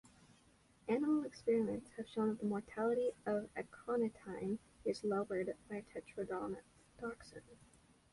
Animal experiments have shown that the mortality of aconitine is lowered by tetrodotoxin.